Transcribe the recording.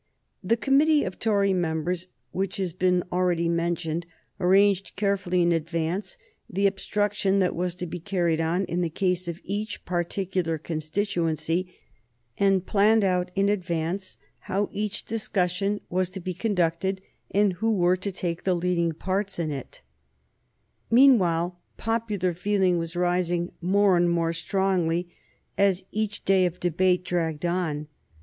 The committee of Tory members which has been already mentioned arranged carefully, in advance, the obstruction that was to be carried on in the case of each particular constituency, and planned out in advance how each discussion was to be conducted and who were to take the leading parts in it. [Sidenote: 1831 Determination to pass the Bill] Meanwhile popular feeling was rising more and more strongly as each day of debate dragged on.